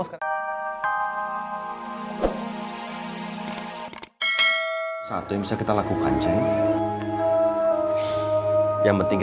sampai jumpa di video selanjutnya